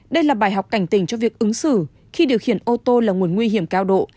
đây là bài học cảnh tỉnh cho việc ứng xử khi điều khiển ô tô là nguồn nguy hiểm cao độ